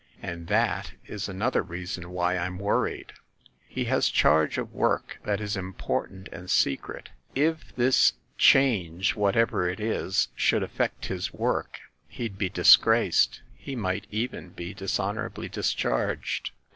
And that is another reason why I'm worried. He has charge of work that is important and secret. If this change ‚ÄĒ whatever it is ‚ÄĒ should affect his work, he'd be disgraced ; he might even be dishonorably discharged."